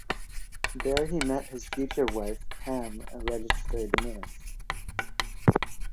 There he met his future wife, Pam, a registered nurse.